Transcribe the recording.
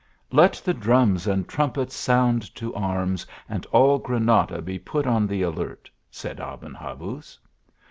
Let the drums and trumpets sound to arms, and all Granada be put on the alert," said Aben Habuz.